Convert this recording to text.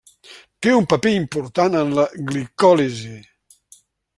Té un paper important en la glicòlisi.